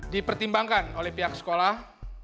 dipertimbangkan oleh pihak sekolah